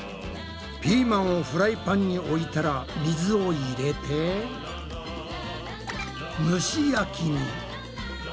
ピーマンをフライパンに置いたら水を入れて蒸し焼きに。